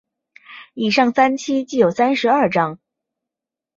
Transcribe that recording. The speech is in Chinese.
以上三期计有三十二章。